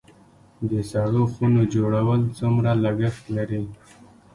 د سړو خونو جوړول څومره لګښت لري؟